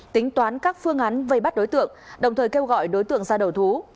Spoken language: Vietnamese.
tính toán các phương án vây bắt đối tượng đồng thời kêu gọi đối tượng ra đầu thú